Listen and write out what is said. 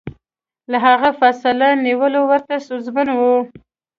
له هغه فاصله نیول ورته ستونزمن و.